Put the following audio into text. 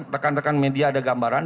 rekan rekan media ada gambaran